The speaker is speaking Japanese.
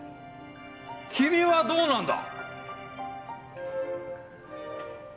君はどうなんだ！